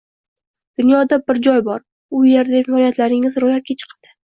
«Dunyoda bir joy bor, u yerda imkoniyatlaringiz ro‘yobga chiqadi